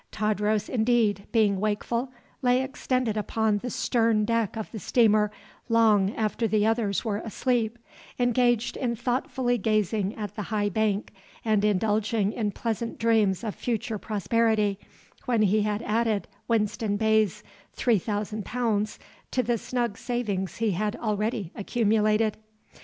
Tadros, indeed, being wakeful, lay extended upon the stern deck of the steamer long after the others were asleep, engaged in thoughtfully gazing at the high bank and indulging in pleasant dreams of future prosperity when he had added Winston Bey's three thousand pounds to the snug savings he had already accumulated.